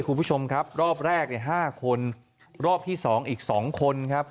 คุณผู้ชมครับรอบแรกเนี่ย๕คนรอบที่๒อีก๒คนครับ